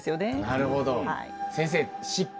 なるほど。